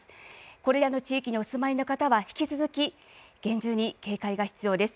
これらの地域にお住まいの方は引き続き厳重に警戒が必要です。